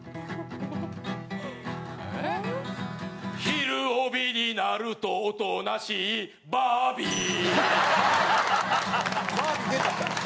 「『ひるおび』になるとおとなしい」「バービー」バービー出た！